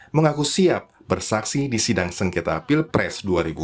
mengaku siap bersaksi di sidang sengketa pilpres dua ribu sembilan belas